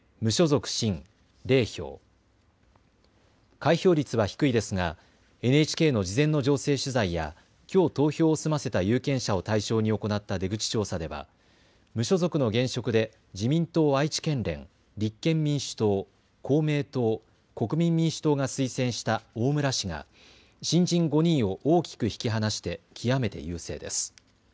開票率は低いですがＮＨＫの事前の情勢取材やきょう投票を済ませた有権者を対象に行った出口調査では無所属の現職で自民党愛知県連、立憲民主党、公明党、国民民主党が推薦した大村氏が新人５人を大きく引き離して極めて優勢です。